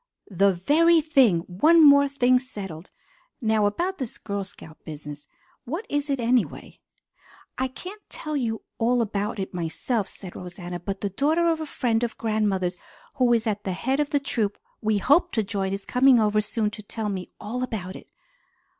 "The very thing! One more thing settled. Now about this Girl Scout business. What is it, anyway?" "I can't tell you all about it myself," said Rosanna, "but the daughter of a friend of grandmother's who is at the head of the troop we hope to join is coming over soon to tell me all about it."